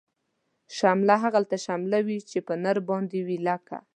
شمله هغلته شمله وی، چی په نر باندی وی لکه